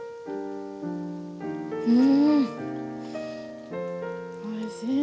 うんおいしい！